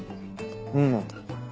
うん。